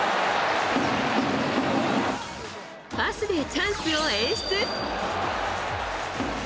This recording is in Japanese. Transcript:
パスでチャンスを演出。